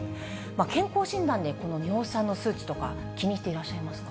健康診断で尿酸の数値とか気にしていらっしゃいますか？